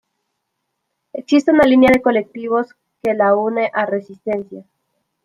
Existe una línea de colectivos que la une a Resistencia.